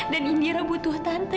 dan indira butuh tante